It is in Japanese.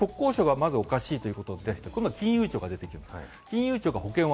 国交省がまずおかしいと言い出して、金融庁が出てきます。